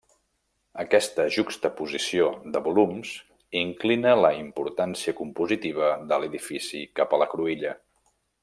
Aquesta juxtaposició de volums inclina la importància compositiva de l'edifici cap a la cruïlla.